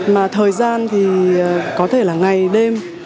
mà thời gian thì có thể là ngày đêm